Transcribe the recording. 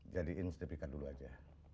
jalihin sedepikan dulu aja